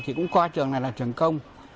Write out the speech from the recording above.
thì cũng qua trường này là trường công